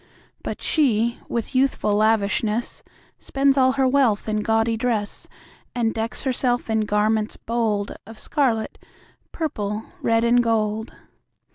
But she, with youthful lavishness, Spends all her wealth in gaudy dress, And decks herself in garments bold Of scarlet, purple, red, and gold.